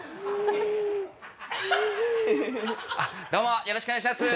あっどうもよろしくお願いします。